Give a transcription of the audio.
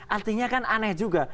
artinya kan aneh juga